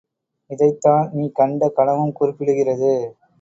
இதைத் தான் நீ கண்ட கனவும் குறிப்பிடுகிறது!